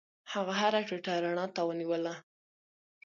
هغه هره ټوټه رڼا ته ونیوله.